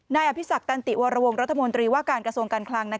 อภิษักตันติวรวงรัฐมนตรีว่าการกระทรวงการคลัง